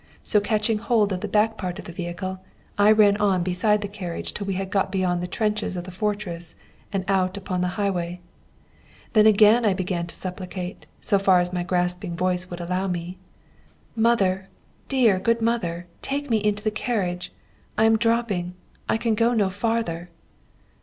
So catching hold of the back part of the vehicle, I ran on beside the carriage till we had got beyond the trenches of the fortress and out upon the highway. Then I again began to supplicate, so far as my gasping voice would allow me: 'Mother, dear, good mother! take me into the carriage; I am dropping. I can go no farther.'